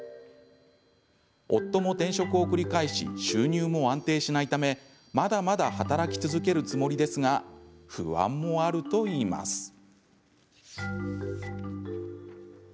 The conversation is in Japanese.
夫も転職を繰り返し収入も安定しないためまだまだ働き続けるつもりですが不安もあると言います。